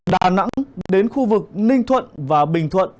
đà nẵng đến khu vực ninh thuận và bình thuận